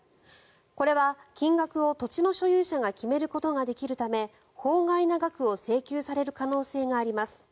これは金額を土地の所有者が決めることができるため法外な額を請求される可能性があります。